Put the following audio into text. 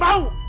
saya tidak mau